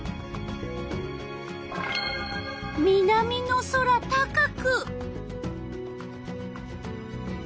南の空高く。